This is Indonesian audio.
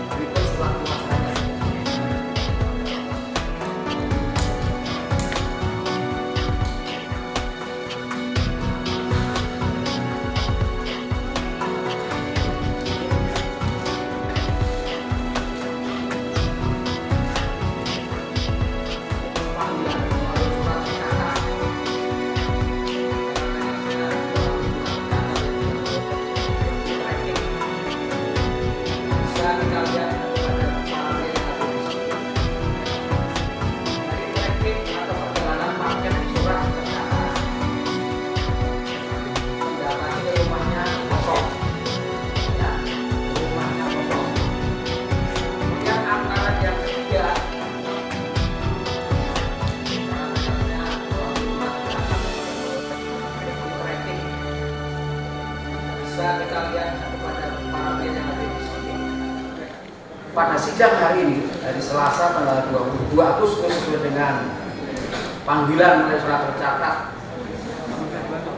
pada siang hari ini dari selasa dua puluh dua agustus dengan panggilan dari surat percatatan